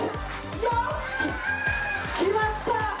よし、決まった！